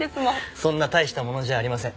そんな大したものじゃありません。